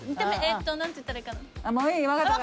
何て言ったらいいかな。